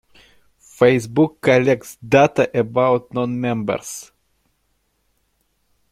Facebook collects data about non-members.